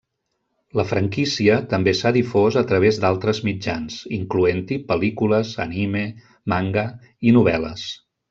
La franquícia també s'ha difós a través d’altres mitjans, incloent-hi pel·lícules, anime, manga i novel·les.